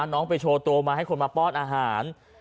น้องไปโชว์ตัวมาให้คนมาป้อนอาหาร